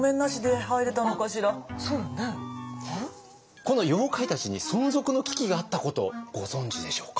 この妖怪たちに存続の危機があったことご存じでしょうか？